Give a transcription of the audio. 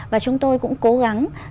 và chúng tôi cũng cố gắng